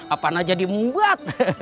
apaan aja di mubat